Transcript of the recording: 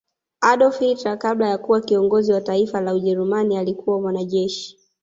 Adolf Hilter kabla ya kuwa kiongozi Wa Taifa la ujerumani alikuwa mwanajeshi